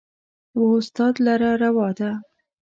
و استاد لره روا ده